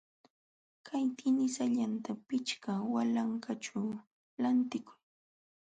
Kay tinisallanta pichqa walanqaćhu lantikuy.